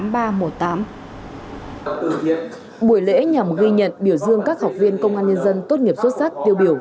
buổi lễ nhằm ghi nhận biểu dương các học viên công an nhân dân tốt nghiệp xuất sắc tiêu biểu